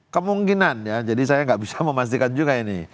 kemungkinan ya jadi saya nggak bisa memastikan juga ini